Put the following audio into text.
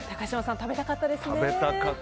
食べたかったです。